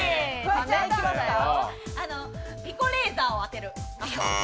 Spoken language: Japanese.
ピコレーザーを当てる。